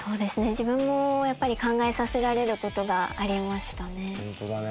自分もやっぱり考えさせられることがありましたね。